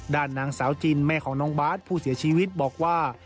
ด้านนางสาวจินแม่ของน้องบาทผู้เสียชีวิตบอกว่า